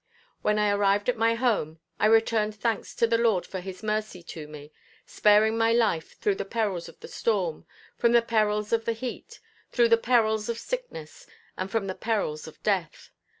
When I arrived at my home, I returned thanks to the Lord for his mercy to me, sparing my life through the perils of the storm, from the perils of the heat, through the perils of sickness, and from the perils of death.